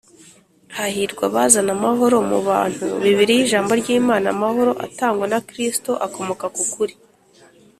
“hahirwa abazana amahoro mu bantu”[bibiliya ijambo ry’imana amahoro atangwa na kristo akomoka ku kuri